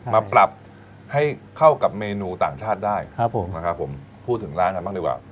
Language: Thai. มาปรับให้เข้ากับเมนูต่างชาติได้ครับผมนะครับผมพูดถึงร้านกันบ้างดีกว่า